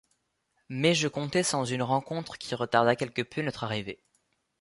Mais je comptais sans une rencontre qui retarda quelque peu notre arrivée.